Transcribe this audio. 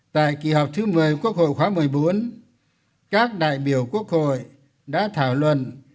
tại kỳ họp thứ một mươi quốc hội khóa một mươi bốn các đại biểu quốc hội đã thảo luận